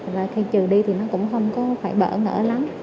và khi trừ đi thì nó cũng không có phải bỡ nở lắm